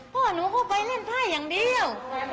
พ่อหนูก็ไปเล่นไพ่อย่างเดียว